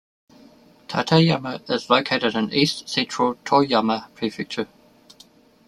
Tateyama is located in east central Toyama Prefecture.